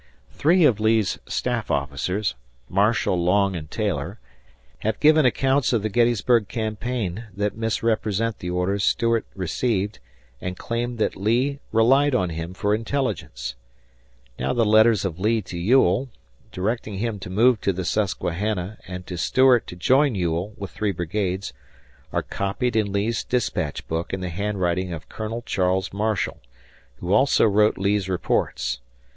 Three of Lee's staff officers, Marshall, Long, and Taylor, have given accounts of the Gettysburg campaign that misrepresent the orders Stuart received and claim that Lee relied on him for intelligence. Now the letters of Lee to Ewell, directing him to move to the Susquehanna and to Stuart to join Ewell with three brigades, are copied in Lee's dispatch book in the handwriting of Colonel Charles Marshall, who also wrote Lee's reports.